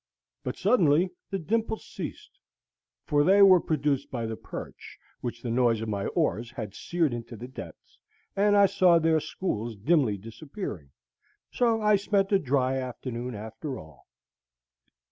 But suddenly the dimples ceased, for they were produced by the perch, which the noise of my oars had seared into the depths, and I saw their schools dimly disappearing; so I spent a dry afternoon after all.